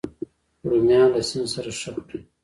رومیان له سیند سره ښه خوري